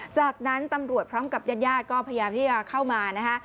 จากนั้นตำรวจพร้อมกับญาติญาติก็พยายามที่จะเข้ามานะคะ